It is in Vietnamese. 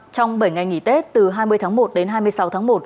trong bảy ngày nghỉ tết từ hai mươi tháng một đến hai mươi sáu tháng một